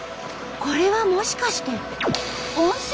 これはもしかして温泉？